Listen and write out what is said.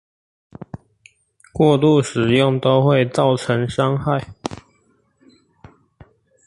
過度使用都會造成傷害